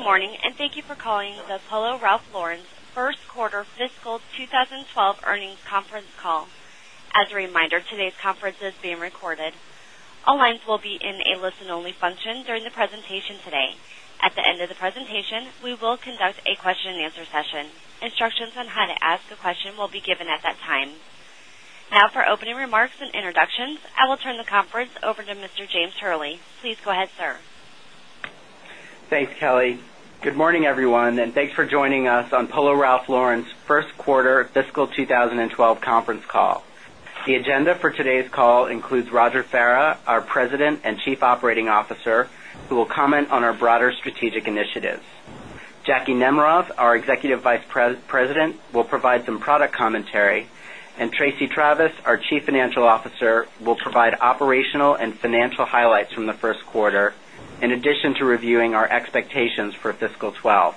Good morning and thank you for calling the Polo Ralph Lauren's First Quarter Fiscal 2012 Earnings Conference Call. As a reminder, today's conference is being recorded. All lines will be in a listen-only function during the presentation today. At the end of the presentation, we will conduct a question and answer session. Instructions on how to ask a question will be given at that time. Now, for opening remarks and introductions, I will turn the conference over to Mr. James Hurley. Please go ahead, sir. Thanks, Kelly. Good morning, everyone, and thanks for joining us on Polo Ralph Lauren's First Quarter Fiscal 2012 Conference Call. The agenda for today's call includes Roger Farah, our President and Chief Operating Officer, who will comment on our broader strategic initiatives. Jacky Nemerov, our Executive Vice President, will provide some product commentary, and Tracey Travis, our Chief Financial Officer, will provide operational and financial highlights from the first quarter, in addition to reviewing our expectations for fiscal 2012.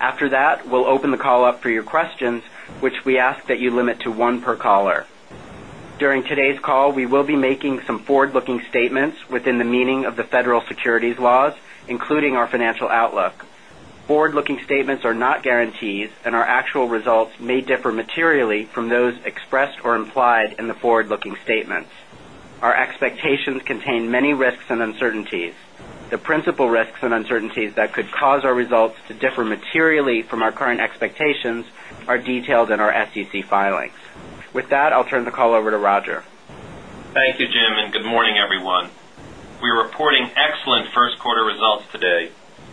After that, we'll open the call up for your questions, which we ask that you limit to one per caller. During today's call, we will be making some forward-looking statements within the meaning of the federal securities laws, including our financial outlook. Forward-looking statements are not guarantees, and our actual results may differ materially from those expressed or implied in the forward-looking statements. Our expectations contain many risks and uncertainties. The principal risks and uncertainties that could cause our results to differ materially from our current expectations are detailed in our SEC filings. With that, I'll turn the call over to Roger. Thank you, Jim, and good morning, everyone. We're reporting excellent first quarter results today,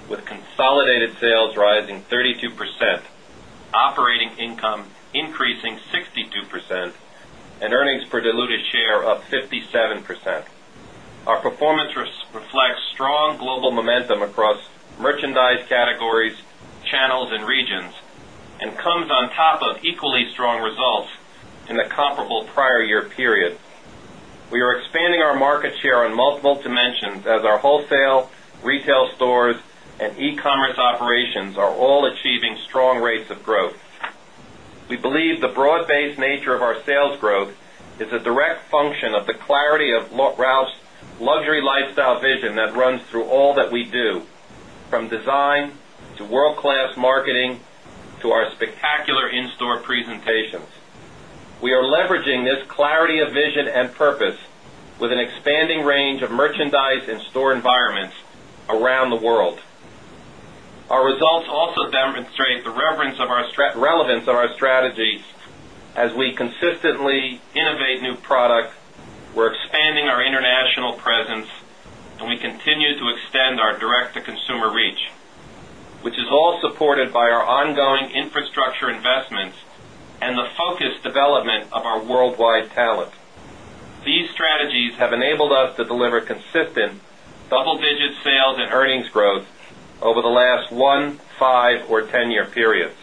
with consolidated sales rising 32%, operating income increasing 62%, and earnings per diluted share up 57%. Our performance reflects strong global momentum across merchandise categories, channels, and regions, and comes on top of equally strong results in a comparable prior year period. We are expanding our market share on multiple dimensions, as our wholesale, retail stores, and e-commerce operations are all achieving strong rates of growth. We believe the broad-based nature of our sales growth is a direct function of the clarity of Ralph's luxury lifestyle vision that runs through all that we do, from design to world-class marketing to our spectacular in-store presentations. We are leveraging this clarity of vision and purpose with an expanding range of merchandise and store environments around the world. Our results also demonstrate the relevance of our strategies as we consistently innovate new products, we're expanding our international presence, and we continue to extend our direct-to-consumer reach, which is all supported by our ongoing infrastructure investments and the focused development of our worldwide talent. These strategies have enabled us to deliver consistent, double-digit sales and earnings growth over the last one, five, or 10-year periods.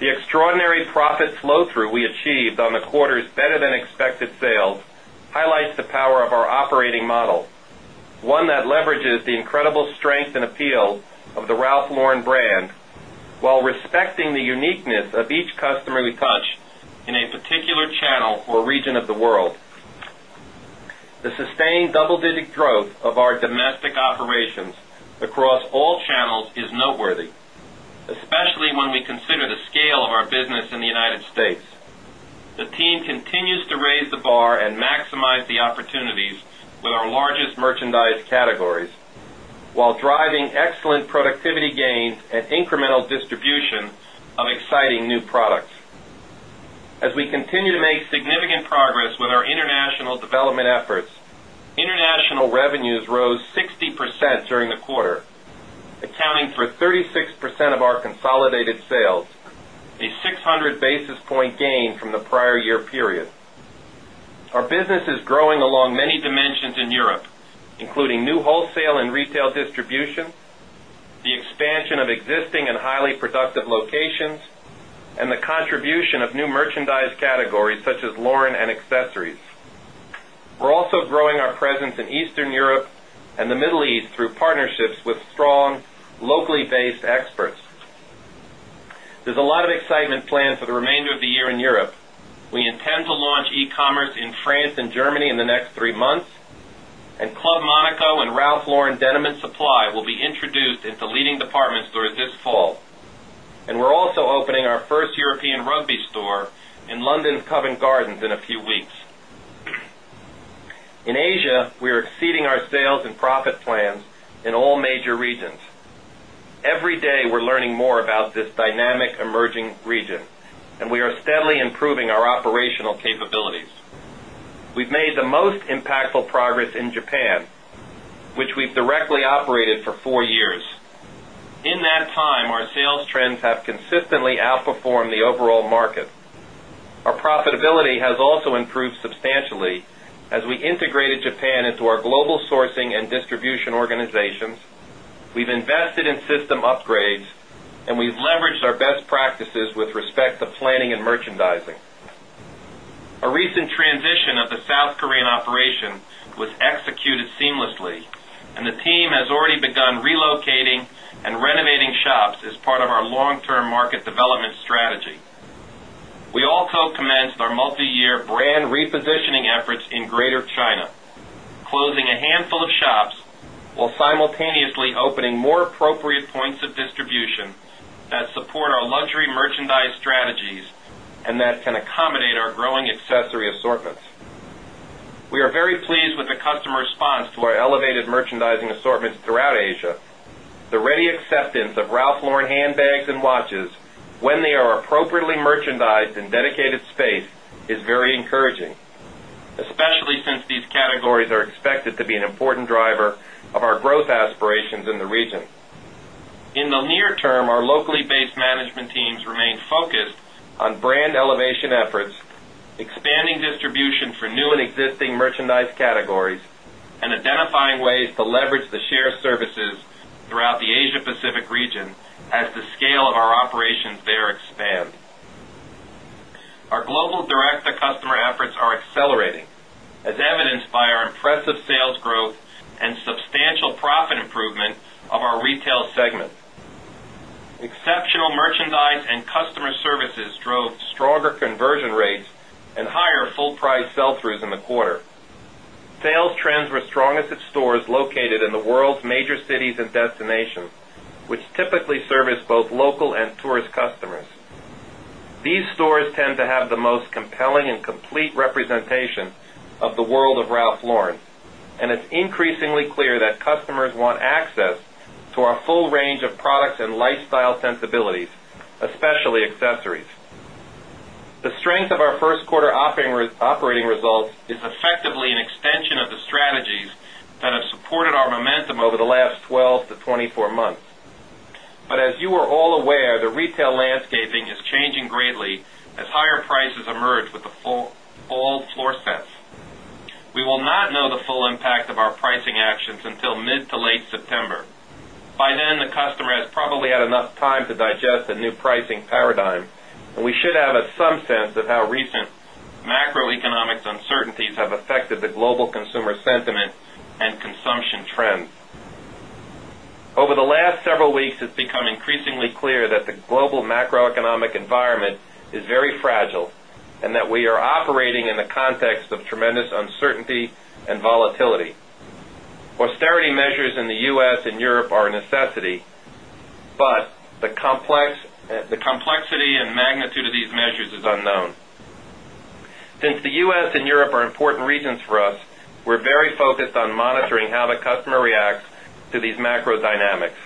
The extraordinary profit flow-through we achieved on the quarter's better-than-expected sales highlights the power of our operating model, one that leverages the incredible strength and appeal of the Ralph Lauren brand while respecting the uniqueness of each customer we touch in a particular channel or region of the world. The sustained double-digit growth of our domestic operations across all channels is noteworthy, especially when we consider the scale of our business in the United States. The team continues to raise the bar and maximize the opportunities with our largest merchandise categories, while driving excellent productivity gains and incremental distribution of exciting new products. As we continue to make significant progress with our international development efforts, international revenues rose 60% during the quarter, accounting for 36% of our consolidated sales, a 600 basis point gain from the prior year period. Our business is growing along many dimensions in Europe, including new wholesale and retail distribution, the expansion of existing and highly productive locations, and the contribution of new merchandise categories such as Lauren and accessories. We're also growing our presence in Eastern Europe and the Middle East through partnerships with strong, locally based experts. There's a lot of excitement planned for the remainder of the year in Europe. We intend to launch e-commerce in France and Germany in the next three months, and Club Monaco and Ralph Lauren Denim & Supply will be introduced into leading departments this fall. We're also opening our first European Rugby store in London's Covent Garden in a few weeks. In Asia, we're exceeding our sales and profit plans in all major regions. Every day, we're learning more about this dynamic emerging region, and we are steadily improving our operational capabilities. We've made the most impactful progress in Japan, which we've directly operated for four years. In that time, our sales trends have consistently outperformed the overall market. Our profitability has also improved substantially as we integrated Japan into our global sourcing and distribution organizations. We've invested in system upgrades, and we've leveraged our best practices with respect to planning and merchandising. A recent transition of the South Korean operation was executed seamlessly, and the team has already begun relocating and renovating shops as part of our long-term market development strategy. We also commenced our multi-year brand repositioning efforts in Greater China, closing a handful of shops while simultaneously opening more appropriate points of distribution that support our luxury merchandise strategies and that can accommodate our growing accessory assortments. We are very pleased with the customer response to our elevated merchandising assortments throughout Asia. The ready acceptance of Ralph Lauren handbags and watches, when they are appropriately merchandised in dedicated space, is very encouraging, especially since these categories are expected to be an important driver of our growth aspirations in the region. In the near term, our locally based management teams remain focused on brand elevation efforts, expanding distribution for new and existing merchandise categories, and identifying ways to leverage the shared services throughout the Asia-Pacific region as the scale of our operations there expands. Our global direct-to-consumer efforts are accelerating, as evidenced by our impressive sales growth and substantial profit improvement of our retail segment. Exceptional merchandise and customer services drove stronger conversion rates and higher full-price sell-throughs in the quarter. Sales trends were strongest at stores located in the world's major cities and destinations, which typically service both local and tourist customers. These stores tend to have the most compelling and complete representation of the world of Ralph Lauren, and it's increasingly clear that customers want access to our full range of products and lifestyle sensibilities, especially accessories. The strength of our first quarter operating results is effectively an extension of the strategies that have supported our momentum over the last 12-24 months. As you are all aware, the retail landscape is changing greatly as higher prices emerge with the fall floor sets. We will not know the full impact of our pricing actions until mid to late September. By then, the customer has probably had enough time to digest a new pricing paradigm, and we should have some sense of how recent macroeconomic uncertainties have affected the global consumer sentiment and consumption trends. Over the last several weeks, it's become increasingly clear that the global macroeconomic environment is very fragile and that we are operating in the context of tremendous uncertainty and volatility. Austerity measures in the U.S. and Europe are a necessity, but the complexity and magnitude of these measures is unknown. Since the U.S. and Europe are important regions for us, we're very focused on monitoring how the customer reacts to these macro dynamics.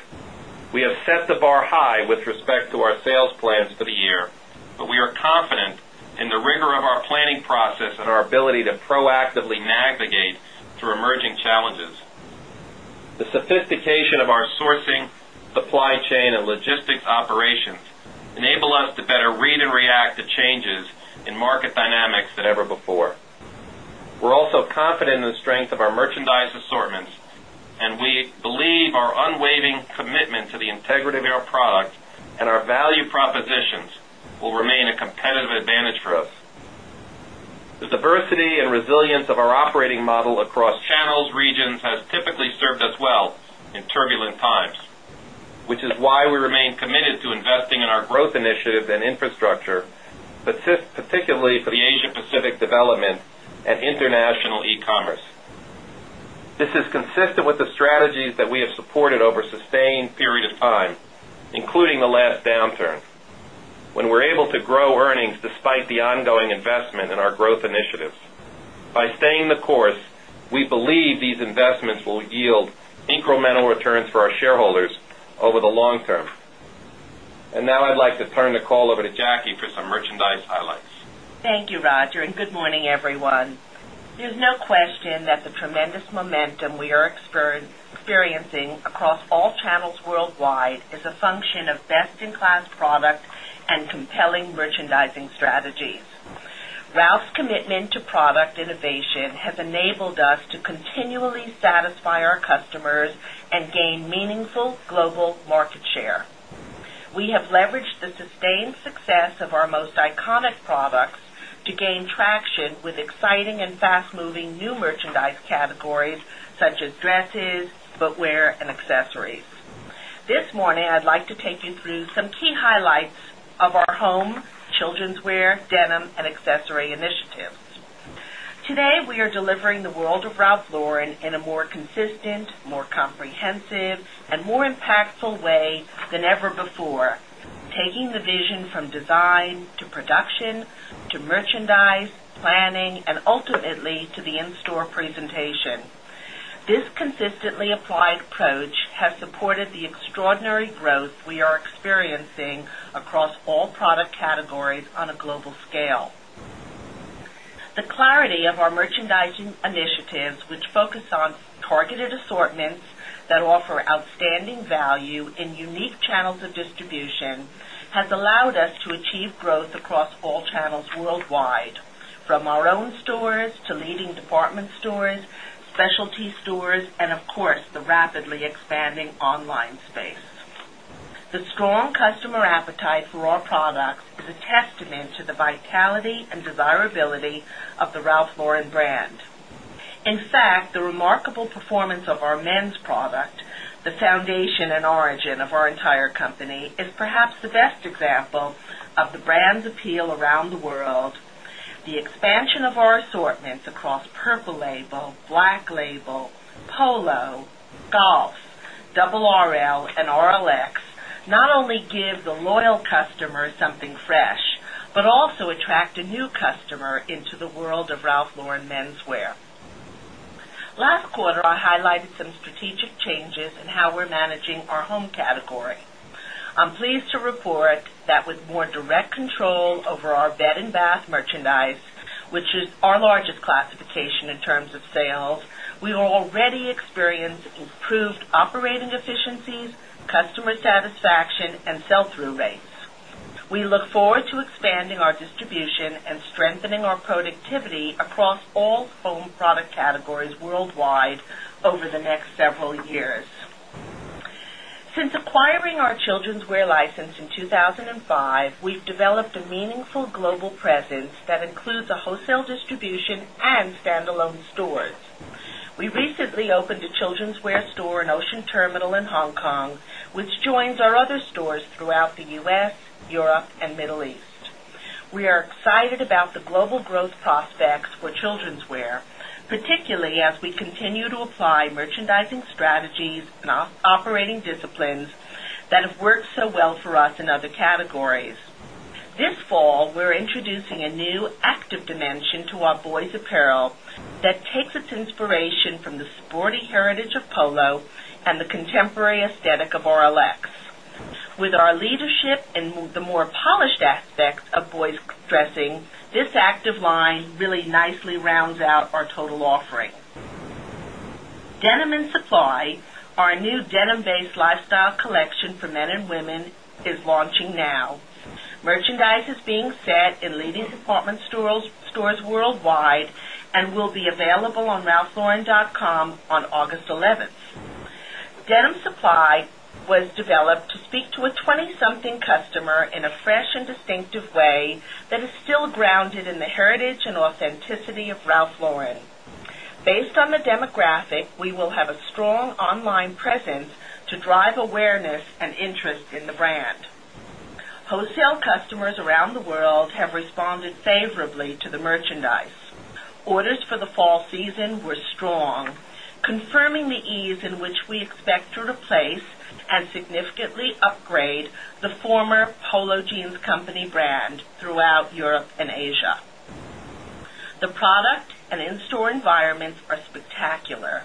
We have set the bar high with respect to our sales plans for the year, but we are confident in the rigor of our planning process and our ability to proactively navigate through emerging challenges. The sophistication of our sourcing, supply chain, and logistics operations enables us to better read and react to changes in market dynamics than ever before. We're also confident in the strength of our merchandise assortments, and we believe our unwavering commitment to the integrity of our products and our value propositions will remain a competitive advantage for us. The diversity and resilience of our operating model across channels and regions has typically served us well in turbulent times, which is why we remain committed to investing in our growth initiatives and infrastructure, particularly for the Asia-Pacific development and international e-commerce. This is consistent with the strategies that we have supported over a sustained period of time, including the last downturn, when we were able to grow earnings despite the ongoing investment in our growth initiatives. By staying the course, we believe these investments will yield incremental returns for our shareholders over the long term. I would like to turn the call over to Jacky for some merchandise highlights. Thank you, Roger, and good morning, everyone. There's no question that the tremendous momentum we are experiencing across all channels worldwide is a function of best-in-class product and compelling merchandising strategies. Ralph's commitment to product innovation has enabled us to continually satisfy our customers and gain meaningful global market share. We have leveraged the sustained success of our most iconic products to gain traction with exciting and fast-moving new merchandise categories such as dresses, footwear, and accessories. This morning, I'd like to take you through some key highlights of our home, children's wear, denim, and accessory initiatives. Today, we are delivering the world of Ralph Lauren in a more consistent, more comprehensive, and more impactful way than ever before, taking the vision from design to production to merchandise, planning, and ultimately to the in-store presentation. This consistently applied approach has supported the extraordinary growth we are experiencing across all product categories on a global scale. The clarity of our merchandising initiatives, which focus on targeted assortments that offer outstanding value in unique channels of distribution, has allowed us to achieve growth across all channels worldwide, from our own stores to leading department stores, specialty stores, and of course, the rapidly expanding online space. The strong customer appetite for our products is a testament to the vitality and desirability of the Ralph Lauren brand. In fact, the remarkable performance of our men's product, the foundation and origin of our entire company, is perhaps the best example of the brand's appeal around the world. The expansion of our assortments across Purple Label, Black Label, Polo, golf, RRL, and RLX not only give the loyal customers something fresh but also attract a new customer into the world of Ralph Lauren menswear. Last quarter, I highlighted some strategic changes in how we're managing our home category. I'm pleased to report that with more direct control over our bed and bath merchandise, which is our largest classification in terms of sales, we already experience improved operating efficiencies, customer satisfaction, and sell-through rates. We look forward to expanding our distribution and strengthening our productivity across all home product categories worldwide over the next several years. Since acquiring our children’s wear license in 2005, we’ve developed a meaningful global presence that includes wholesale distribution and standalone stores. We recently opened a children’s wear store in Ocean Terminal in Hong Kong, which joins our other stores throughout the U.S., Europe, and Middle East. We are excited about the global growth prospects for children’s wear, particularly as we continue to apply merchandising strategies and operating disciplines that have worked so well for us in other categories. This fall, we’re introducing a new active dimension to our boys’ apparel that takes its inspiration from the sporty heritage of Polo and the contemporary aesthetic of RLX. With our leadership and the more polished aspects of boys’ dressing, this active line really nicely rounds out our total offering. Denim & Supply, our new denim-based lifestyle collection for men and women, is launching now. Merchandise is being set in leading department stores worldwide and will be available on ralphlauren.com on August 11th. Denim & Supply was developed to speak to a 20-something customer in a fresh and distinctive way that is still grounded in the heritage and authenticity of Ralph Lauren. Based on the demographic, we will have a strong online presence to drive awareness and interest in the brand. Wholesale customers around the world have responded favorably to the merchandise. Orders for the fall season were strong, confirming the ease in which we expect to replace and significantly upgrade the former Polo Jeans Company brand throughout Europe and Asia. The product and in-store environments are spectacular,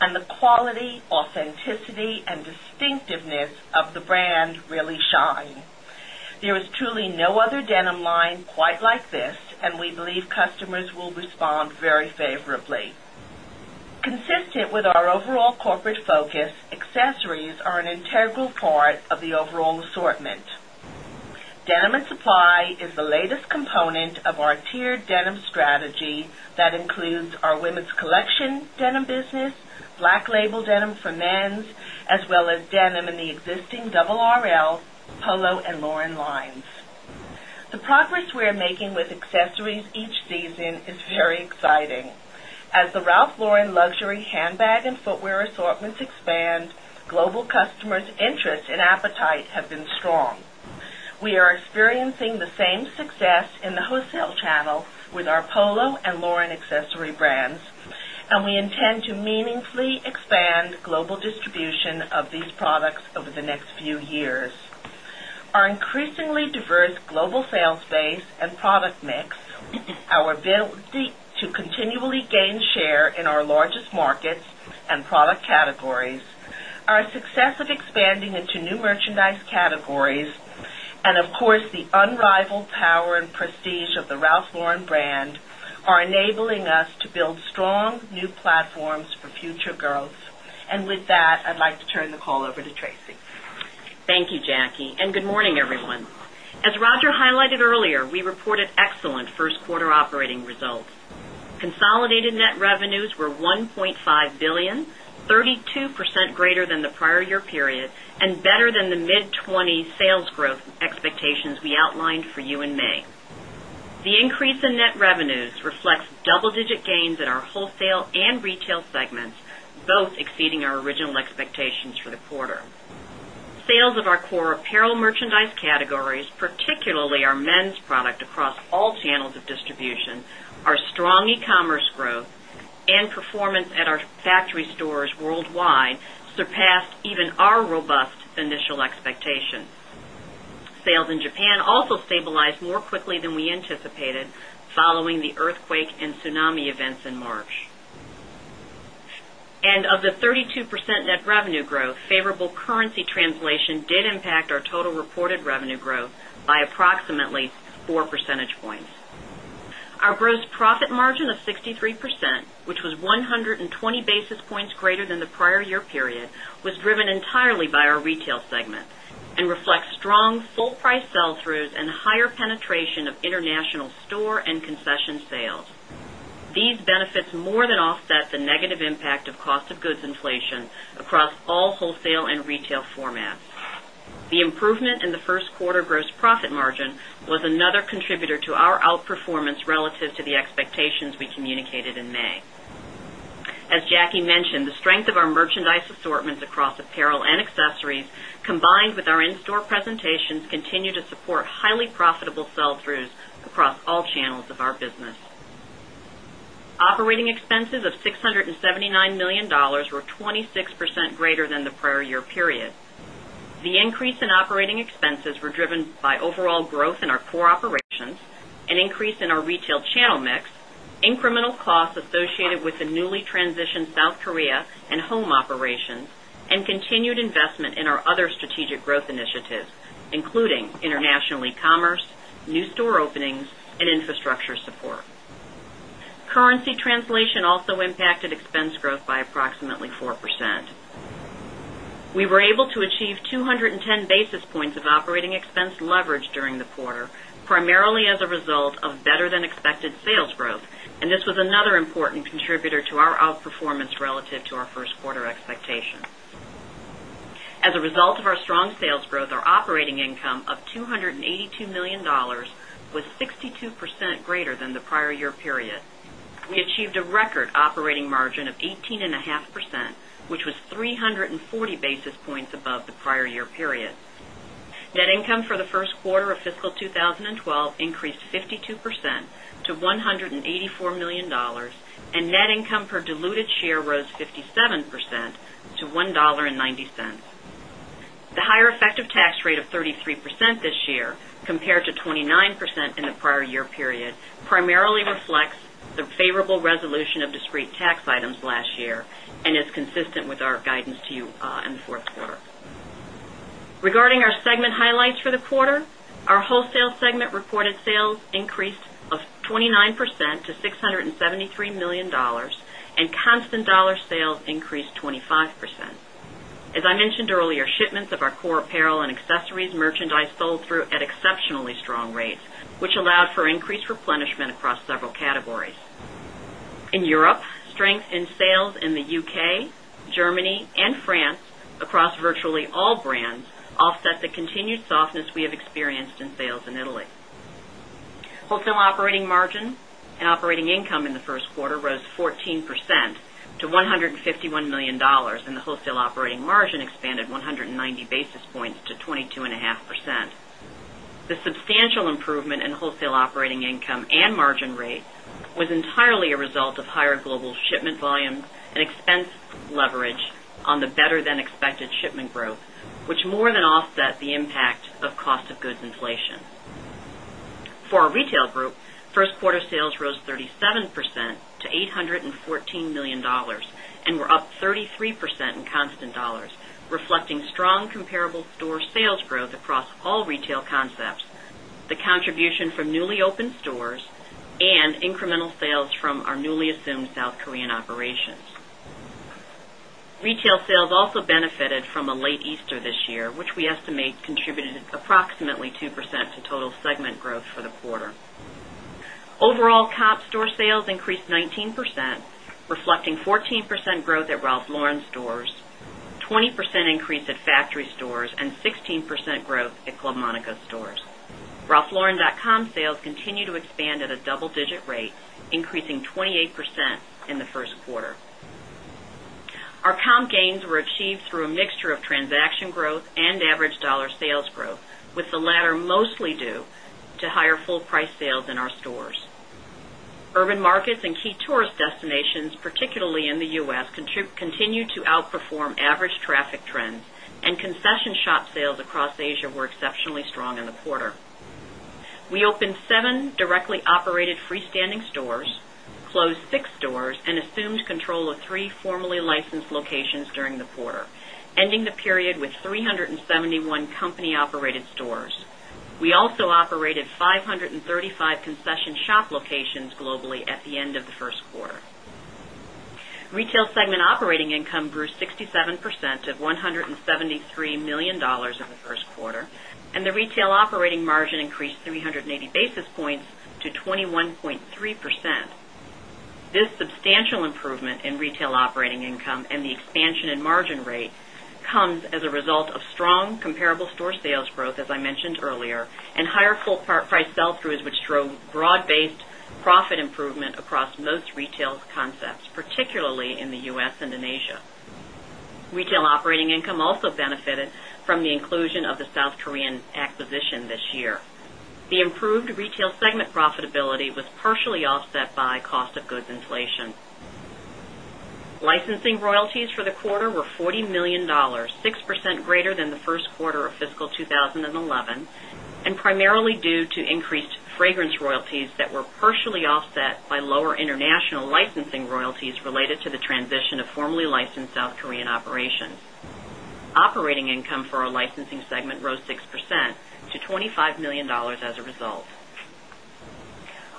and the quality, authenticity, and distinctiveness of the brand really shine. There is truly no other denim line quite like this, and we believe customers will respond very favorably. Consistent with our overall corporate focus, accessories are an integral part of the overall assortment. Denim & Supply is the latest component of our tiered denim strategy that includes our women’s collection, denim business, Black Label denim for men as well as denim in the existing RRL, Polo, and Lauren lines. The progress we are making with accessories each season is very exciting. As the Ralph Lauren luxury handbag and footwear assortments expand, global customers’ interest and appetite have been strong. We are experiencing the same success in the wholesale channel with our Polo and Lauren accessory brands, and we intend to meaningfully expand global distribution of these products over the next few years. Our increasingly diverse global sales base and product mix are built to continually gain share in our largest markets and product categories. Our success of expanding into new merchandise categories and, of course, the unrivaled power and prestige of the Ralph Lauren brand are enabling us to build strong new platforms for future growth. With that, I'd like to turn the call over to Tracey. Thank you, Jacky, and good morning, everyone. As Roger highlighted earlier, we reported excellent first quarter operating results. Consolidated net revenues were $1.5 billion, 32% greater than the prior year period and better than the mid-20% sales growth expectations we outlined for you in May. The increase in net revenues reflects double-digit gains in our wholesale and retail segments, both exceeding our original expectations for the quarter. Sales of our core apparel merchandise categories, particularly our men's product across all channels of distribution, are strong e-commerce growth and performance at our factory stores worldwide surpassed even our robust initial expectations. Sales in Japan also stabilized more quickly than we anticipated following the earthquake and tsunami events in March. Of the 32% net revenue growth, favorable currency translation did impact our total reported revenue growth by approximately four percentage points. Our gross profit margin of 63%, which was 120 basis points greater than the prior year period, was driven entirely by our retail segment and reflects strong full-price sell-throughs and higher penetration of international store and concession sales. These benefits more than offset the negative impact of cost of goods inflation across all wholesale and retail formats. The improvement in the first quarter gross profit margin was another contributor to our outperformance relative to the expectations we communicated in May. As Jacky mentioned, the strength of our merchandise assortments across apparel and accessories, combined with our in-store presentations, continue to support highly profitable sell-throughs across all channels of our business. Operating expenses of $679 million were 26% greater than the prior year period. The increase in operating expenses was driven by overall growth in our core operations, an increase in our retail channel mix, incremental costs associated with the newly transitioned South Korea and home operations, and continued investment in our other strategic growth initiatives, including international e-commerce, new store openings, and infrastructure support. Currency translation also impacted expense growth by approximately 4%. We were able to achieve 210 basis points of operating expense leverage during the quarter, primarily as a result of better-than-expected sales growth, and this was another important contributor to our outperformance relative to our first quarter expectation. As a result of our strong sales growth, our operating income of $282 million was 62% greater than the prior year period. We achieved a record operating margin of 18.5%, which was 340 basis points above the prior year period. Net income for the first quarter of fiscal 2012 increased 52% to $184 million, and net income per diluted share rose 57% to $1.90. The higher effective tax rate of 33% this year, compared to 29% in the prior year period, primarily reflects the favorable resolution of discrete tax items last year and is consistent with our guidance to you in the fourth quarter. Regarding our segment highlights for the quarter, our wholesale segment reported sales increased 29% to $673 million, and constant dollar sales increased 25%. As I mentioned earlier, shipments of our core apparel and accessories merchandise sold through at exceptionally strong rates, which allowed for increased replenishment across several categories. In Europe, strength in sales in the U.K., Germany, and France across virtually all brands offset the continued softness we have experienced in sales in Italy. Wholesale operating margin and operating income in the first quarter rose 14% to $151 million, and the wholesale operating margin expanded 190 basis points to 22.5%. The substantial improvement in wholesale operating income and margin rate was entirely a result of higher global shipment volume and expense leverage on the better-than-expected shipment growth, which more than offset the impact of cost of goods inflation. For our retail group, first quarter sales rose 37% to $814 million and were up 33% in constant dollars, reflecting strong comparable store sales growth across all retail concepts, the contribution from newly opened stores, and incremental sales from our newly assumed South Korean operations. Retail sales also benefited from a late Easter this year, which we estimate contributed approximately 2% to total segment growth for the quarter. Overall, comp store sales increased 19%, reflecting 14% growth at Ralph Lauren stores, a 20% increase at factory stores, and 16% growth at Club Monaco stores. Ralphlauren.com sales continue to expand at a double-digit rate, increasing 28% in the first quarter. Our comp gains were achieved through a mixture of transaction growth and average dollar sales growth, with the latter mostly due to higher full-price sales in our stores. Urban markets and key tourist destinations, particularly in the U.S., continue to outperform average traffic trends, and concession shop sales across Asia were exceptionally strong in the quarter. We opened seven directly operated freestanding stores, closed six stores, and assumed control of three formerly licensed locations during the quarter, ending the period with 371 company-operated stores. We also operated 535 concession shop locations globally at the end of the first quarter. Retail segment operating income grew 67% to $173 million in the first quarter, and the retail operating margin increased 380 basis points to 21.3%. This substantial improvement in retail operating income and the expansion in margin rate comes as a result of strong comparable store sales growth, as I mentioned earlier, and higher full-price sell-throughs, which drove broad-based profit improvement across most retail concepts, particularly in the U.S. and in Asia. Retail operating income also benefited from the inclusion of the South Korean acquisition this year. The improved retail segment profitability was partially offset by cost of goods inflation. Licensing royalties for the quarter were $40 million, 6% greater than the first quarter of fiscal 2011, and primarily due to increased fragrance royalties that were partially offset by lower international licensing royalties related to the transition of formerly licensed South Korean operations. Operating income for our licensing segment rose 6% to $25 million as a result.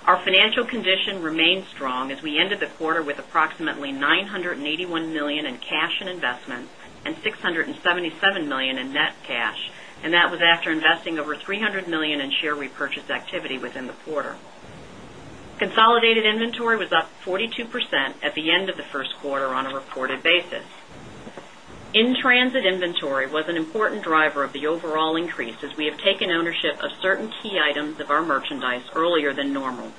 Our financial condition remained strong as we ended the quarter with approximately $981 million in cash and investment and $677 million in net cash, and that was after investing over $300 million in share repurchase activity within the quarter. Consolidated inventory was up 42% at the end of the first quarter on a reported basis. In-transit inventory was an important driver of the overall increase as we have taken ownership of certain key items of our merchandise earlier than normal.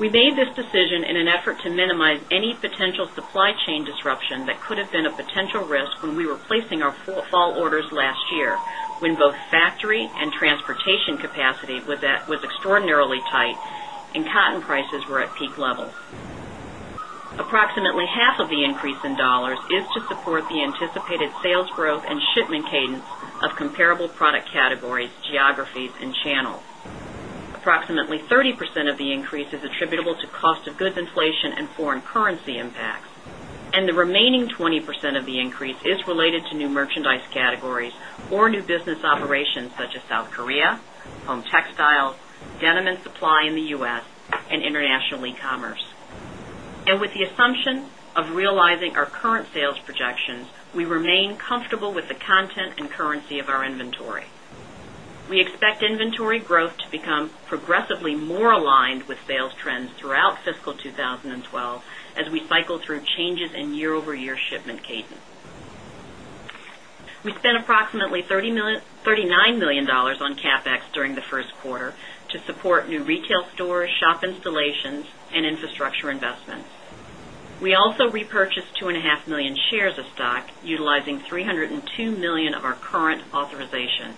We made this decision in an effort to minimize any potential supply chain disruption that could have been a potential risk when we were placing our fall orders last year, when both factory and transportation capacity was extraordinarily tight and cotton prices were at peak levels. Approximately half of the increase in dollars is to support the anticipated sales growth and shipment cadence of comparable product categories, geographies, and channels. Approximately 30% of the increase is attributable to cost of goods inflation and foreign currency impacts, and the remaining 20% of the increase is related to new merchandise categories or new business operations such as South Korea, home textile, Denim & Supply in the U.S., and international e-commerce. With the assumption of realizing our current sales projections, we remain comfortable with the content and currency of our inventory. We expect inventory growth to become progressively more aligned with sales trends throughout fiscal 2012 as we cycle through changes in year-over-year shipment cadence. We spent approximately $39 million on CapEx during the first quarter to support new retail stores, shop installations, and infrastructure investments. We also repurchased 2.5 million shares of stock, utilizing $302 million of our current authorization.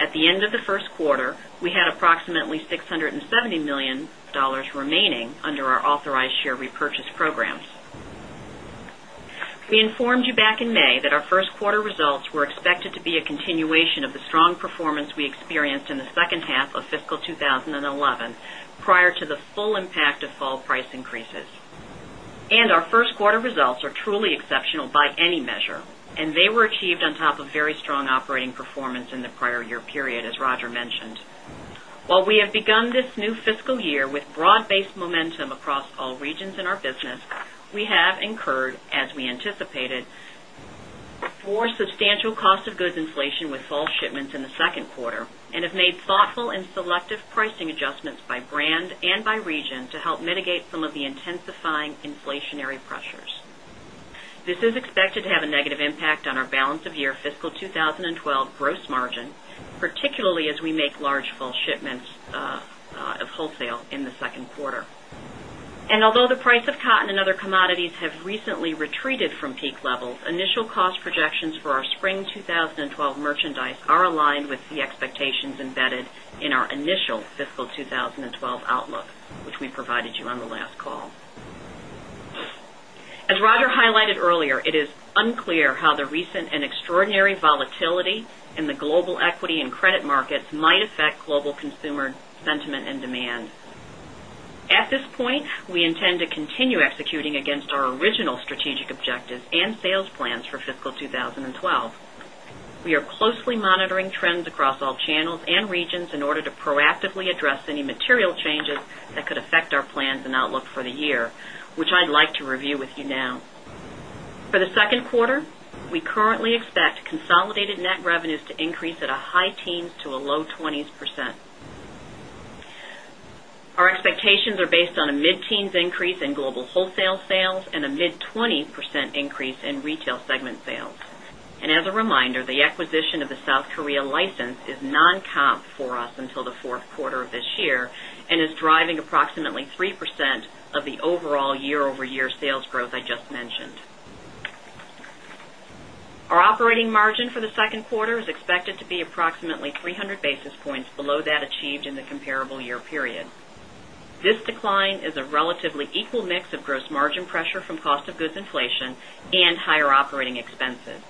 At the end of the first quarter, we had approximately $670 million remaining under our authorized share repurchase programs. We informed you back in May that our first quarter results were expected to be a continuation of the strong performance we experienced in the second half of fiscal 2011 prior to the full impact of fall price increases. Our first quarter results are truly exceptional by any measure, and they were achieved on top of very strong operating performance in the prior year period, as Roger mentioned. While we have begun this new fiscal year with broad-based momentum across all regions in our business, we have incurred, as we anticipated, more substantial cost of goods inflation with fall shipments in the second quarter and have made thoughtful and selective pricing adjustments by brand and by region to help mitigate some of the intensifying inflationary pressures. This is expected to have a negative impact on our balance of year fiscal 2012 gross margin, particularly as we make large fall shipments of wholesale in the second quarter. Although the price of cotton and other commodities have recently retreated from peak levels, initial cost projections for our spring 2012 merchandise are aligned with the expectations embedded in our initial fiscal 2012 outlook, which we provided you on the last call. As Roger highlighted earlier, it is unclear how the recent and extraordinary volatility in the global equity and credit markets might affect global consumer sentiment and demand. At this point, we intend to continue executing against our original strategic objectives and sales plans for fiscal 2012. We are closely monitoring trends across all channels and regions in order to proactively address any material changes that could affect our plans and outlook for the year, which I'd like to review with you now. For the second quarter, we currently expect consolidated net revenues to increase at a high teens to a low 20%. Our expectations are based on a mid-teens increase in global wholesale sales and a mid-20% increase in retail segment sales. As a reminder, the acquisition of the South Korea license is non-comp for us until the fourth quarter of this year and is driving approximately 3% of the overall year-over-year sales growth I just mentioned. Our operating margin for the second quarter is expected to be approximately 300 basis points below that achieved in the comparable year period. This decline is a relatively equal mix of gross margin pressure from cost of goods inflation and higher operating expenses.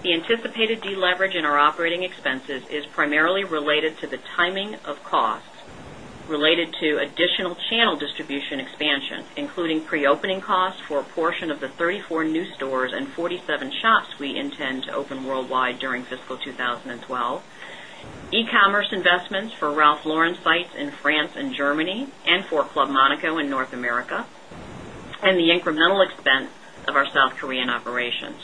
The anticipated deleverage in our operating expenses is primarily related to the timing of costs related to additional channel distribution expansion, including pre-opening costs for a portion of the 34 new stores and 47 shops we intend to open worldwide during fiscal 2012, e-commerce investments for Ralph Lauren sites in France and Germany and for Club Monaco in North America, and the incremental expense of our South Korean operations.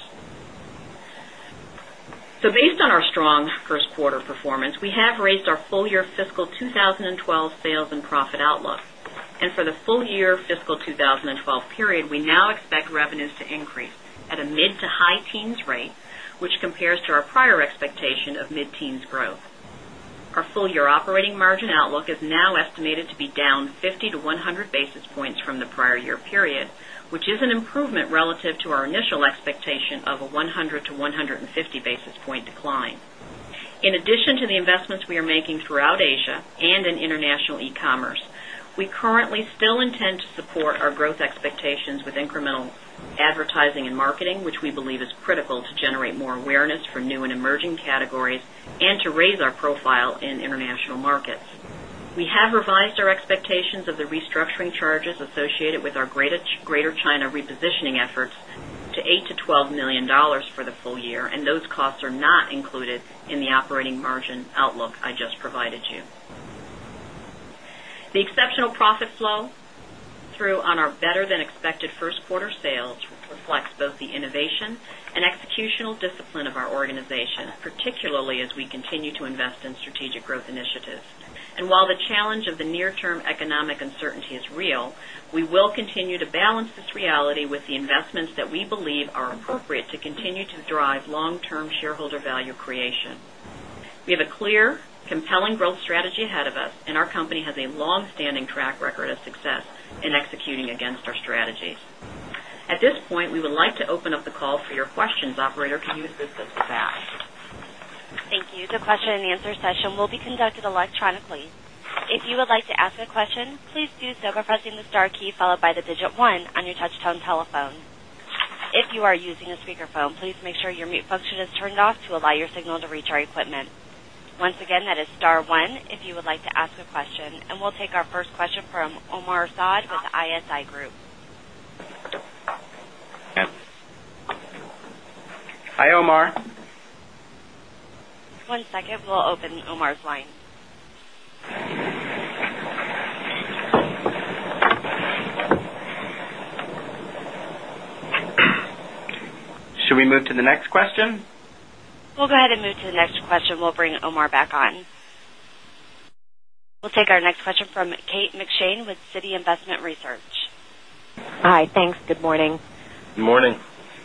Based on our strong first quarter performance, we have raised our full-year fiscal 2012 sales and profit outlook. For the full-year fiscal 2012 period, we now expect revenues to increase at a mid to high teens rate, which compares to our prior expectation of mid-teens growth. Our full-year operating margin outlook is now estimated to be down 50-100 basis points from the prior year period, which is an improvement relative to our initial expectation of a 100-150 basis point decline. In addition to the investments we are making throughout Asia and in international e-commerce, we currently still intend to support our growth expectations with incremental advertising and marketing, which we believe is critical to generate more awareness for new and emerging categories and to raise our profile in international markets. We have revised our expectations of the restructuring charges associated with our Greater China repositioning efforts to $8 million-$12 million for the full year, and those costs are not included in the operating margin outlook I just provided you. The exceptional profit flow through on our better-than-expected first quarter sales reflects both the innovation and executional discipline of our organization, particularly as we continue to invest in strategic growth initiatives. While the challenge of the near-term economic uncertainty is real, we will continue to balance this reality with the investments that we believe are appropriate to continue to drive long-term shareholder value creation. We have a clear, compelling growth strategy ahead of us, and our company has a long-standing track record of success in executing against our strategies. At this point, we would like to open up the call for your questions. Operator, can you assist us with that? Thank you. The question and answer session will be conducted electronically. If you would like to ask a question, please do so by pressing the star key followed by the digit one on your touch-tone telephone. If you are using a speaker phone, please make sure your mute function is turned off to allow your signal to reach our equipment. Once again, that is star one if you would like to ask a question, and we'll take our first question from Omar Saad with ISI Group. Hi, Omar. One second, we'll open Omar's line. Should we move to the next question? We'll go ahead and move to the next question. We'll bring Omar back on. We'll take our next question from Kate McShane with Citi Investment Research. Hi, thanks. Good morning. Good morning.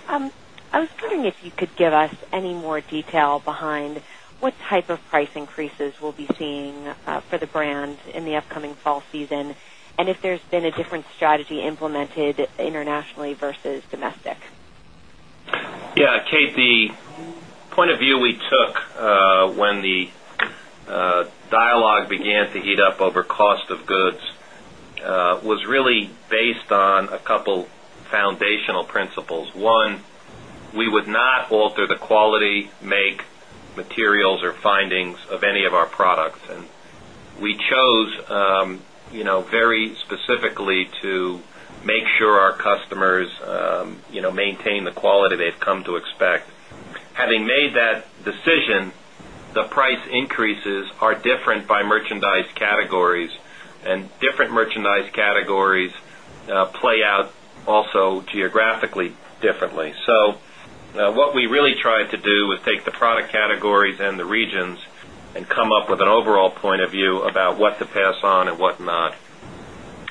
I was wondering if you could give us any more detail behind what type of price increases we'll be seeing for the brand in the upcoming fall season, and if there's been a different strategy implemented internationally versus domestic? Yeah, Kate, the point of view we took when the dialogue began to heat up over cost of goods was really based on a couple of foundational principles. One, we would not alter the quality, make, materials, or findings of any of our products. We chose, you know, very specifically to make sure our customers, you know, maintain the quality they've come to expect. Having made that decision, the price increases are different by merchandise categories, and different merchandise categories play out also geographically differently. What we really tried to do was take the product categories and the regions and come up with an overall point of view about what to pass on and what not.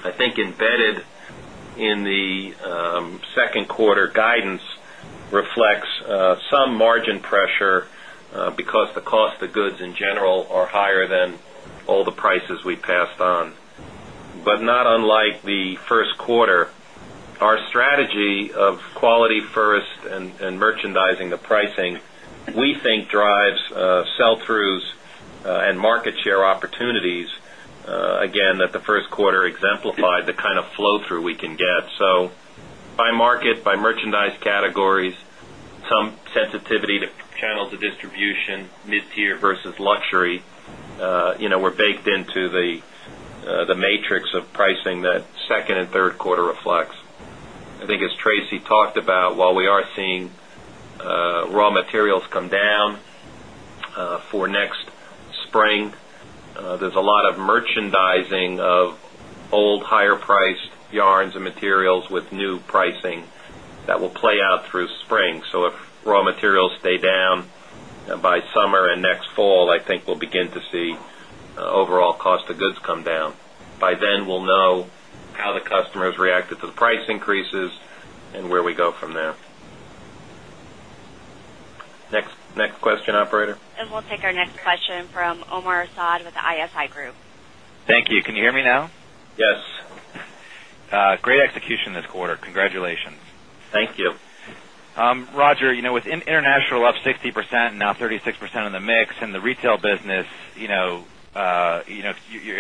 I think embedded in the second quarter guidance reflects some margin pressure, because the cost of goods in general are higher than all the prices we passed on. Not unlike the first quarter, our strategy of quality first and merchandising the pricing, we think, drives sell-throughs and market share opportunities, again, that the first quarter exemplified the kind of flow-through we can get. By market, by merchandise categories, some sensitivity to channels of distribution, mid-tier versus luxury, you know, were baked into the matrix of pricing that second and third quarter reflects. I think, as Tracey talked about, while we are seeing raw materials come down for next spring, there's a lot of merchandising of old, higher-priced yarns and materials with new pricing that will play out through spring. If raw materials stay down, by summer and next fall, I think we'll begin to see overall cost of goods come down. By then, we'll know how the customers reacted to the price increases and where we go from there. Next question, operator? We will take our next question from Omar Saad with ISI Group. Thank you. Can you hear me now? Yes. Great execution this quarter. Congratulations. Thank you. Roger, with international up 60% and now 36% in the mix in the retail business, you're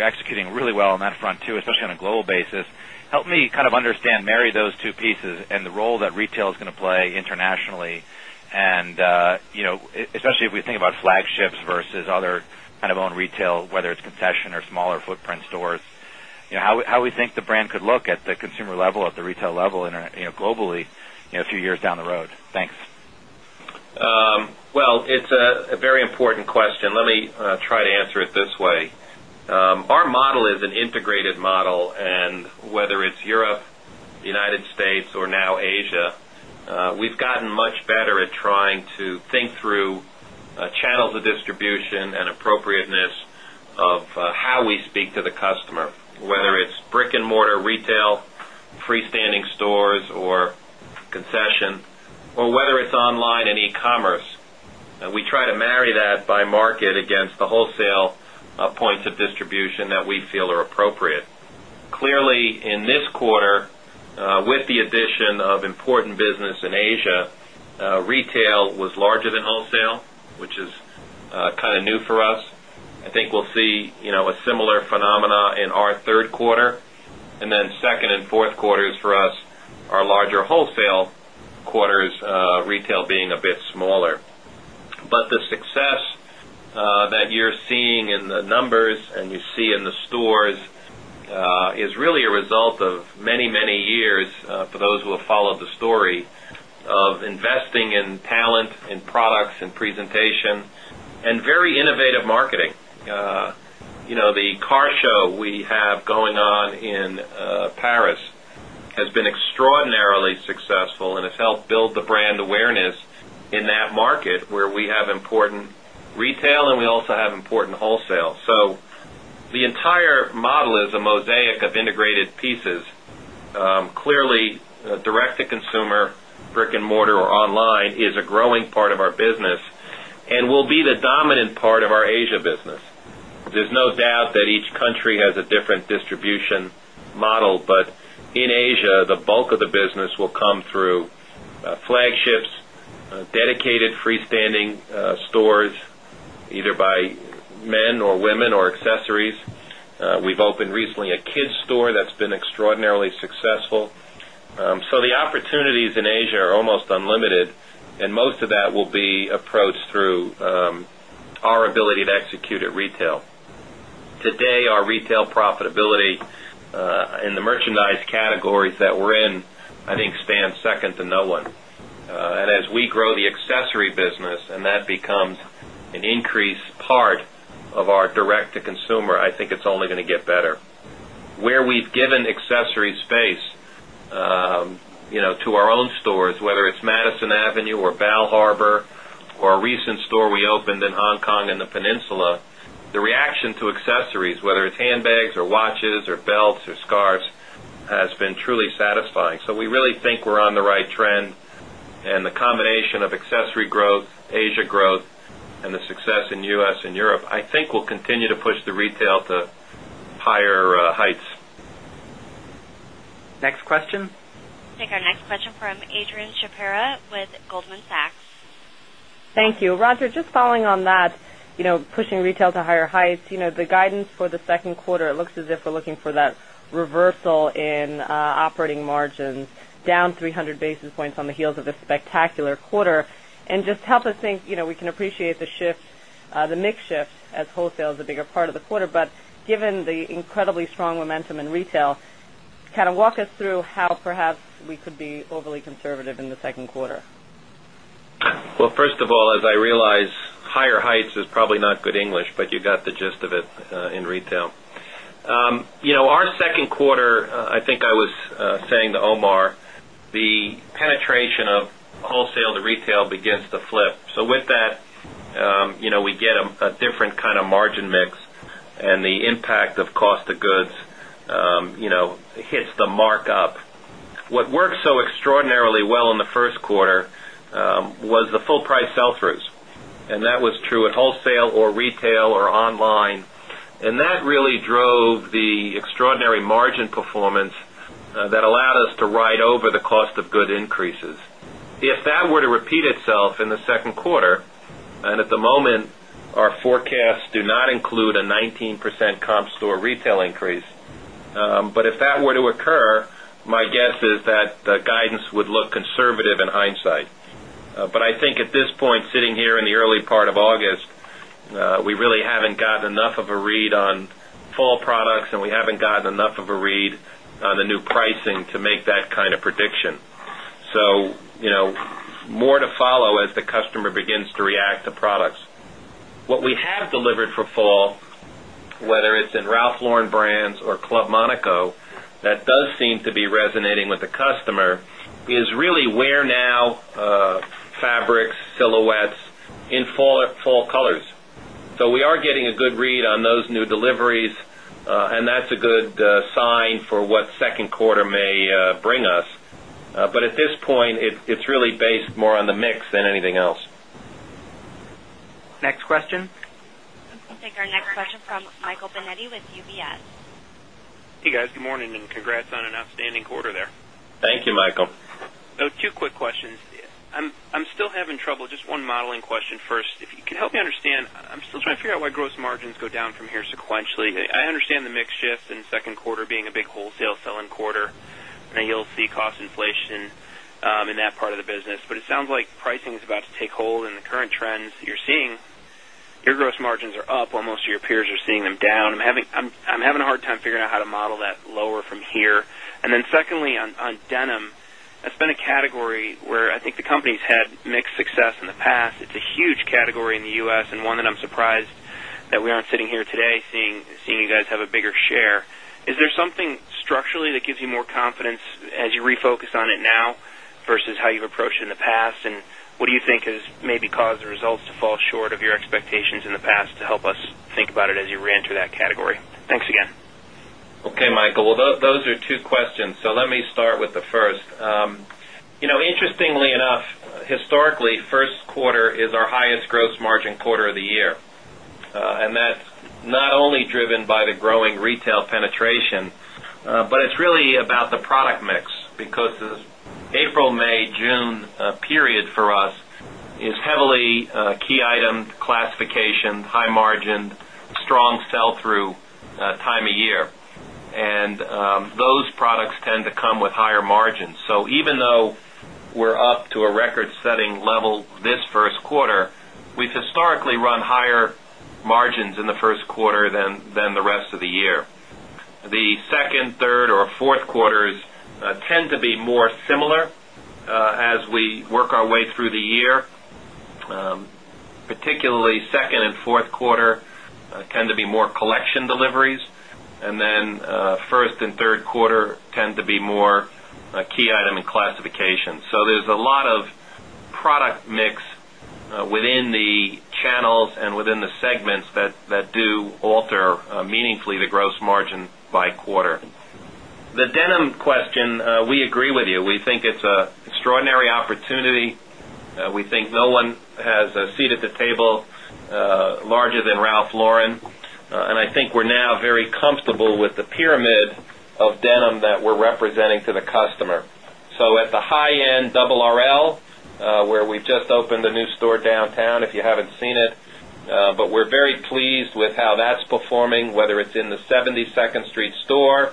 executing really well on that front too, especially on a global basis. Yes. Help me kind of understand, marry those two pieces and the role that retail is going to play internationally. Especially if we think about flagships versus other kind of owned retail, whether it's concession or smaller footprint stores, how we think the brand could look at the consumer level at the retail level globally a few years down the road. Thanks. It's a very important question. Let me try to answer it this way. Our model is an integrated model, and whether it's Europe, the United States, or now Asia, we've gotten much better at trying to think through channels of distribution and appropriateness of how we speak to the customer, whether it's brick-and-mortar retail, freestanding stores, or concession, or whether it's online and e-commerce. We try to marry that by market against the wholesale points of distribution that we feel are appropriate. Clearly, in this quarter, with the addition of important business in Asia, retail was larger than wholesale, which is kind of new for us. I think we'll see a similar phenomena in our third quarter. The second and fourth quarters for us are larger wholesale quarters, retail being a bit smaller. The success that you're seeing in the numbers and you see in the stores is really a result of many, many years, for those who have followed the story, of investing in talent and products and presentation and very innovative marketing. You know, the car show we have going on in Paris has been extraordinarily successful and has helped build the brand awareness in that market where we have important retail and we also have important wholesale. The entire model is a mosaic of integrated pieces. Clearly, direct-to-consumer, brick-and-mortar, or online is a growing part of our business and will be the dominant part of our Asia business. There's no doubt that each country has a different distribution model, but in Asia, the bulk of the business will come through flagships, dedicated freestanding stores, either by men or women or accessories. We've opened recently a kids' store that's been extraordinarily successful. The opportunities in Asia are almost unlimited, and most of that will be approached through our ability to execute at retail. Today, our retail profitability in the merchandise categories that we're in, I think, stands second to no one. As we grow the accessory business and that becomes an increased part of our direct-to-consumer, I think it's only going to get better. Where we've given accessory space to our own stores, whether it's Madison Avenue or Bal Harbour or a recent store we opened in Hong Kong and the Peninsula, the reaction to accessories, whether it's handbags or watches or belts or scarves, has been truly satisfying. We really think we're on the right trend, and the combination of accessory growth, Asia growth, and the success in the U.S. and Europe, I think, will continue to push the retail to higher heights. Next question? Take our next question from Adrianne Shapira with Goldman Sachs. Thank you. Roger, just following on that, you know, pushing retail to higher heights, the guidance for the second quarter, it looks as if we're looking for that reversal in operating margin, down 300 basis points on the heels of this spectacular quarter. Just help us think, you know, we can appreciate the shift, the mix shift as wholesale is a bigger part of the quarter, but given the incredibly strong momentum in retail, kind of walk us through how perhaps we could be overly conservative in the second quarter. First of all, as I realize, higher heights is probably not good English, but you got the gist of it, in retail. Our second quarter, I think I was saying to Omar, the penetration of wholesale to retail begins to flip. With that, we get a different kind of margin mix, and the impact of cost of goods hits the markup. What worked so extraordinarily well in the first quarter was the full-price sell-throughs, and that was true at wholesale or retail or online. That really drove the extraordinary margin performance that allowed us to ride over the cost of goods increases. If that were to repeat itself in the second quarter, and at the moment, our forecasts do not include a 19% comp store retail increase, but if that were to occur, my guess is that the guidance would look conservative in hindsight. I think at this point, sitting here in the early part of August, we really haven't gotten enough of a read on fall products, and we haven't gotten enough of a read on the new pricing to make that kind of prediction. More to follow as the customer begins to react to products. What we have delivered for fall, whether it's in Ralph Lauren brands or Club Monaco, that does seem to be resonating with the customer, is really wear now, fabrics, silhouettes in fall colors. We are getting a good read on those new deliveries, and that's a good sign for what the second quarter may bring us. At this point, it's really based more on the mix than anything else. Next question? Take our next question from Michele Benetti with UBS. Hey, guys. Good morning, and congrats on an outstanding quarter. Thank you, Michele. Oh, two quick questions. I'm still having trouble. Just one modeling question first. If you could help me understand, I'm still trying to figure out why gross margins go down from here sequentially. I understand the mix shifts in the second quarter being a big wholesale selling quarter, and you'll see cost inflation in that part of the business. It sounds like pricing is about to take hold, and the current trends that you're seeing, your gross margins are up while most of your peers are seeing them down. I'm having a hard time figuring out how to model that lower from here. Secondly, on denim, that's been a category where I think the company's had mixed success in the past. It's a huge category in the U.S., and one that I'm surprised that we aren't sitting here today seeing you guys have a bigger share. Is there something structurally that gives you more confidence as you refocus on it now versus how you've approached it in the past? What do you think has maybe caused the results to fall short of your expectations in the past to help us think about it as you reenter that category? Thanks again. Okay, Michael. Those are two questions. Let me start with the first. Interestingly enough, historically, the first quarter is our highest gross margin quarter of the year. That's not only driven by the growing retail penetration, but it's really about the product mix because the April, May, June period for us is heavily key item classification, high margin, strong sell-through time of year. Those products tend to come with higher margins. Even though we're up to a record-setting level this first quarter, we've historically run higher margins in the first quarter than the rest of the year. The second, third, or fourth quarters tend to be more similar as we work our way through the year. Particularly, second and fourth quarter tend to be more collection deliveries, and first and third quarter tend to be more key item and classification. There's a lot of product mix within the channels and within the segments that do alter meaningfully the gross margin by quarter. The denim question, we agree with you. We think it's an extraordinary opportunity. We think no one has a seat at the table larger than Ralph Lauren. I think we're now very comfortable with the pyramid of denim that we're representing to the customer. At the high-end, RRL, where we've just opened the new store downtown, if you haven't seen it, we're very pleased with how that's performing, whether it's in the 72nd Street store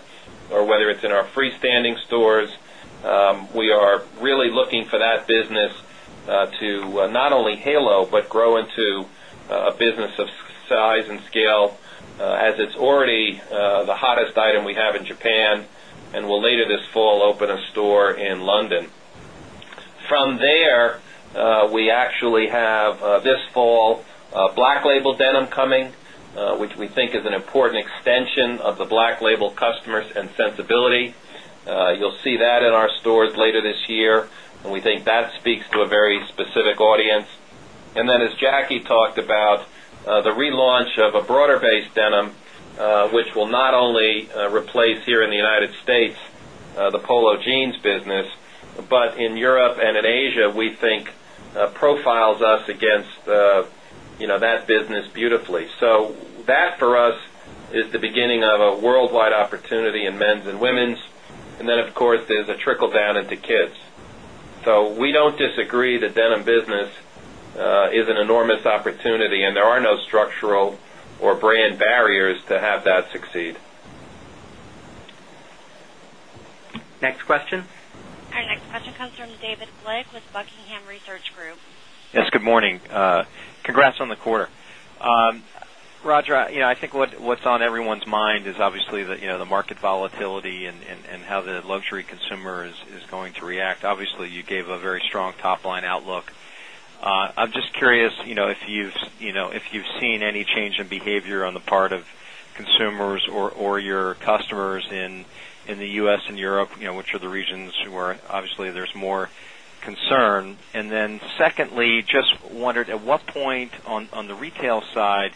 or in our freestanding stores. We are really looking for that business to not only halo but grow into a business of size and scale, as it's already the hottest item we have in Japan and will later this fall open a store in London. From there, we actually have, this fall, Black Label denim coming, which we think is an important extension of the Black Label customers and sensibility. You'll see that in our stores later this year, and we think that speaks to a very specific audience. As Jacky talked about, the relaunch of a broader-based denim, which will not only replace here in the United States the Polo jeans business, but in Europe and in Asia, we think profiles us against that business beautifully. That for us is the beginning of a worldwide opportunity in men's and women's, and then, of course, there's a trickle down into kids. We don't disagree the denim business is an enormous opportunity, and there are no structural or brand barriers to have that succeed. Next question? Our next question comes from David [Blank] with Buckingham Research Group. Yes, good morning. Congrats on the quarter. Roger, I think what's on everyone's mind is obviously the market volatility and how the luxury consumer is going to react. Obviously, you gave a very strong top-line outlook. I'm just curious if you've seen any change in behavior on the part of consumers or your customers in the U.S. and Europe, which are the regions where there's more concern. Secondly, just wondered, at what point on the retail side,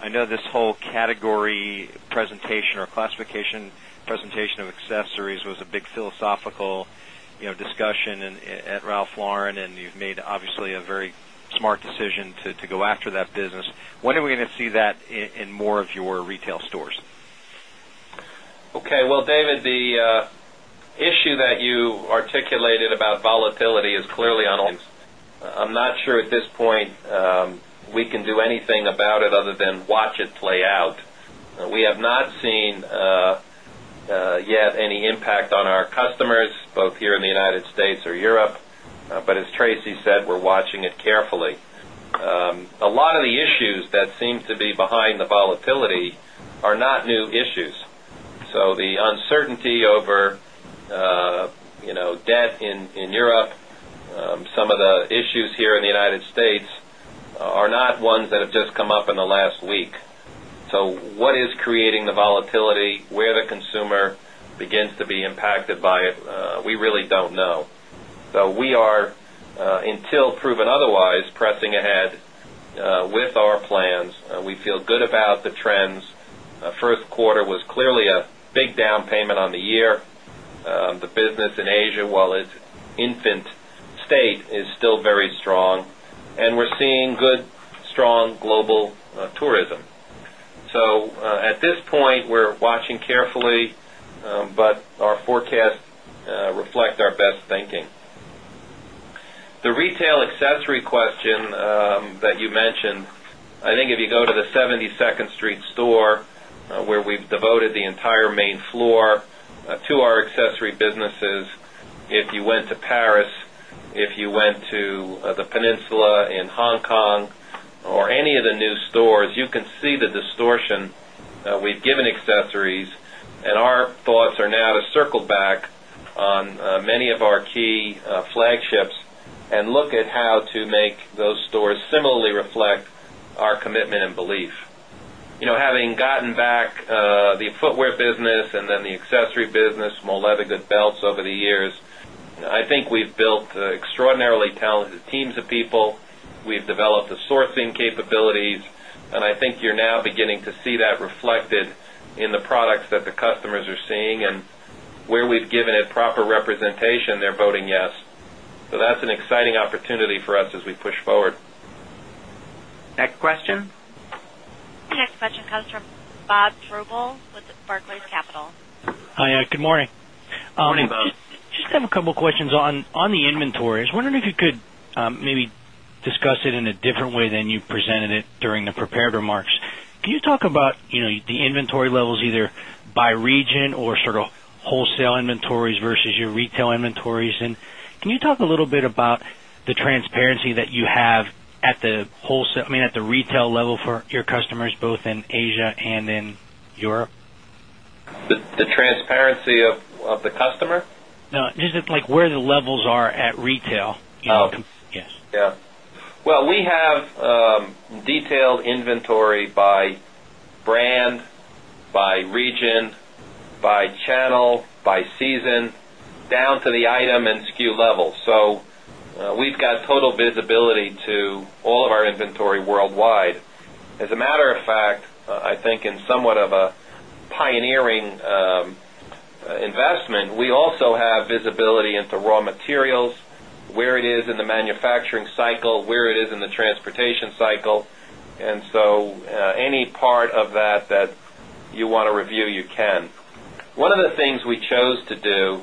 I know this whole category presentation or classification presentation of accessories was a big philosophical discussion at Ralph Lauren, and you've made a very smart decision to go after that business. When are we going to see that in more of your retail stores? Okay. David, the issue that you articulated about volatility is clearly on. I'm not sure at this point we can do anything about it other than watch it play out. We have not seen yet any impact on our customers, both here in the United States or Europe, but as Tracey said, we're watching it carefully. A lot of the issues that seem to be behind the volatility are not new issues. The uncertainty over, you know, debt in Europe, some of the issues here in the United States, are not ones that have just come up in the last week. What is creating the volatility where the consumer begins to be impacted by it, we really don't know. Until proven otherwise, we are pressing ahead with our plans. We feel good about the trends. First quarter was clearly a big down payment on the year. The business in Asia, while it's in an infant state, is still very strong. We're seeing good, strong global tourism. At this point, we're watching carefully, but our forecast reflects our best thinking. The retail accessory question that you mentioned, I think if you go to the 72nd Street store, where we've devoted the entire main floor to our accessories businesses, if you went to Paris, if you went to the Peninsula in Hong Kong, or any of the new stores, you can see the distortion we've given accessories, and our thoughts are now to circle back on many of our key flagships and look at how to make those stores similarly reflect our commitment and belief. Having gotten back the footwear business and then the accessories business, small leather goods, belts over the years, I think we've built extraordinarily talented teams of people. We've developed the sourcing capabilities, and I think you're now beginning to see that reflected in the products that the customers are seeing and where we've given it proper representation, they're voting yes. That's an exciting opportunity for us as we push forward. Next question? Your next question comes from Bob Deverill with Barclays Capital. Hi, good morning. Morning, Bob. Just have a couple of questions on the inventory. I was wondering if you could maybe discuss it in a different way than you presented it during the prepared remarks. Can you talk about the inventory levels either by region or sort of wholesale inventories versus your retail inventories, and can you talk a little bit about the transparency that you have at the wholesale, I mean, at the retail level for your customers, both in Asia and in Europe? The transparency of the customer? No, just like where the levels are at retail. Oh, yeah. We have detailed inventory by brand, by region, by channel, by season, down to the item and SKU level. We've got total visibility to all of our inventory worldwide. As a matter of fact, I think in somewhat of a pioneering investment, we also have visibility into raw materials, where it is in the manufacturing cycle, where it is in the transportation cycle. Any part of that that you want to review, you can. One of the things we chose to do,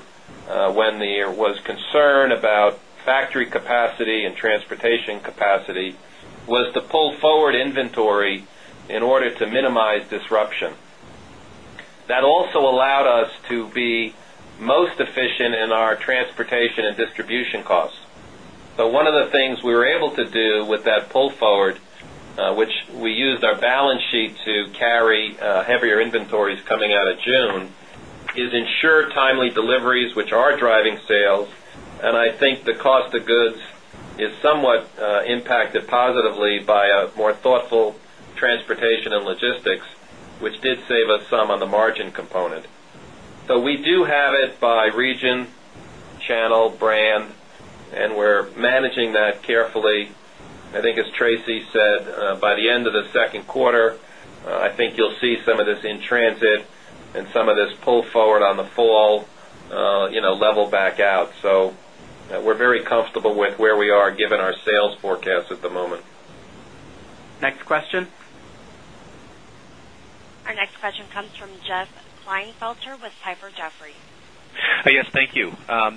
when there was concern about factory capacity and transportation capacity, was to pull forward inventory in order to minimize disruption. That also allowed us to be most efficient in our transportation and distribution costs. One of the things we were able to do with that pull forward, which we used our balance sheet to carry, heavier inventories coming out of June, is ensure timely deliveries, which are driving sales. I think the cost of goods is somewhat impacted positively by a more thoughtful transportation and logistics, which did save us some on the margin component. We do have it by region, channel, brand, and we're managing that carefully. I think, as Tracey said, by the end of the second quarter, you'll see some of this in transit and some of this pull forward on the fall level back out. We're very comfortable with where we are given our sales forecasts at the moment. Next question? Our next question comes from Jeff Klinefelter with Piper Jaffray. Yes, thank you.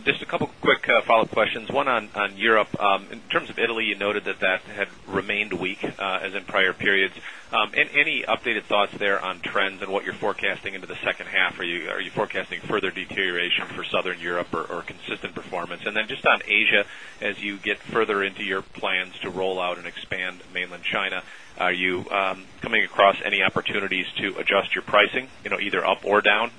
Just a couple of quick follow-up questions. One on Europe. In terms of Italy, you noted that had remained weak, as in prior periods. Any updated thoughts there on trends and what you're forecasting into the second half? Are you forecasting further deterioration for Southern Europe or consistent performance? Just on Asia, as you get further into your plans to roll out and expand mainland China, are you coming across any opportunities to adjust your pricing, either up or down?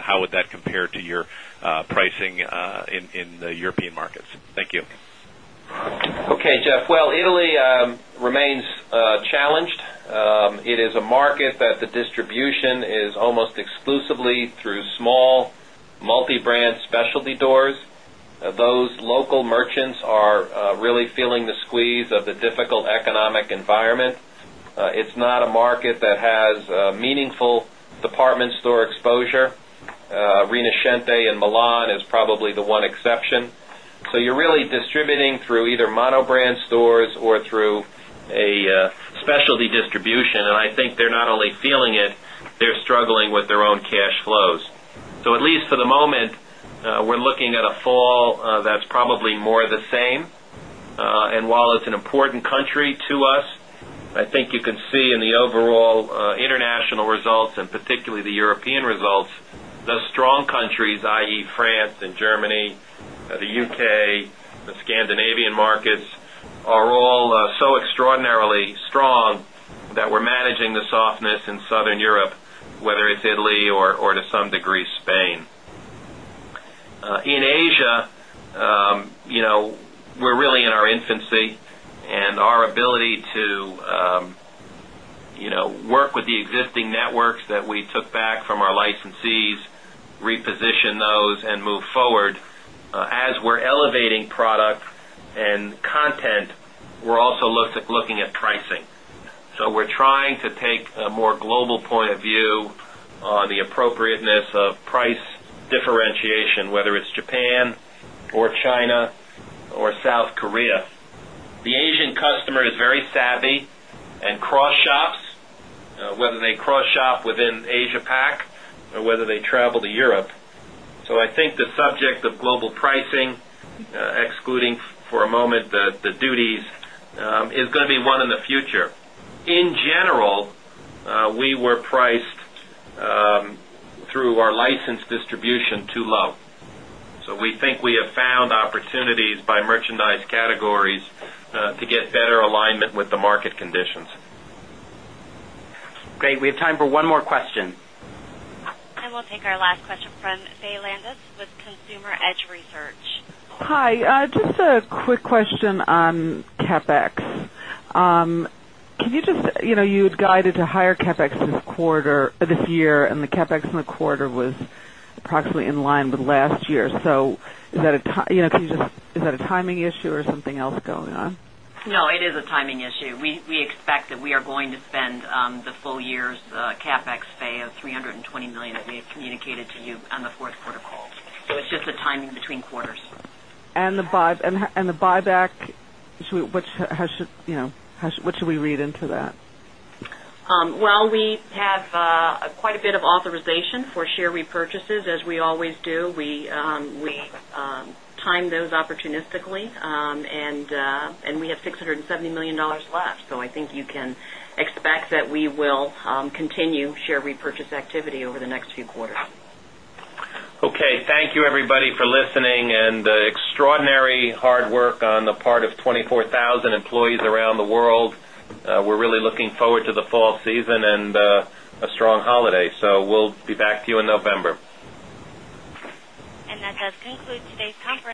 How would that compare to your pricing in the European markets? Thank you. Okay, Jeff. Italy remains challenged. It is a market that the distribution is almost exclusively through small multi-brand specialty doors. Those local merchants are really feeling the squeeze of the difficult economic environment. It's not a market that has meaningful department store exposure. Rinascente in Milan is probably the one exception. You are really distributing through either monobrand stores or through a specialty distribution, and I think they're not only feeling it, they're struggling with their own cash flows. At least for the moment, we're looking at a fall that's probably more the same. While it's an important country to us, I think you can see in the overall international results and particularly the European results, those strong countries, i.e., France and Germany, the U.K., the Scandinavian markets, are all so extraordinarily strong that we're managing the softness in Southern Europe, whether it's Italy or to some degree, Spain. In Asia, we're really in our infancy, and our ability to work with the existing networks that we took back from our licensees, reposition those, and move forward, as we're elevating product and content, we're also looking at pricing. We're trying to take a more global point of view on the appropriateness of price differentiation, whether it's Japan or China or South Korea. The Asian customer is very savvy and cross-shops, whether they cross-shop within Asia-Pac or whether they travel to Europe. I think the subject of global pricing, excluding for a moment the duties, is going to be one in the future. In general, we were priced through our license distribution too low. We think we have found opportunities by merchandise categories to get better alignment with the market conditions. Okay, we have time for one more question. We will take our last question from Faye Landes with Consumer Edge Research. Hi. Just a quick question on CapEx. You had guided to higher CapEx this quarter, this year, and the CapEx in the quarter was approximately in line with last year. Is that a timing issue or something else going on? No, it is a timing issue. We expect that we are going to spend the full year's CapEx of $320 million, as we have communicated to you on the fourth quarter calls. It is just a timing between quarters. The buyback, which has, you know, what should we read into that? We have quite a bit of authorization for share repurchases, as we always do. We timed those opportunistically, and we have $670 million left. I think you can expect that we will continue share repurchase activity over the next few quarters. Okay. Thank you, everybody, for listening and the extraordinary hard work on the part of 24,000 employees around the world. We're really looking forward to the fall season and a strong holiday. We'll be back to you in November. That does conclude today's conference.